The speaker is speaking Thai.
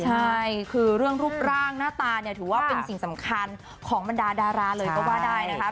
ใช่คือเรื่องรูปร่างหน้าตาเนี่ยถือว่าเป็นสิ่งสำคัญของบรรดาดาราเลยก็ว่าได้นะคะ